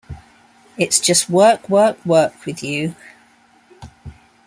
It's just work, work, work with you!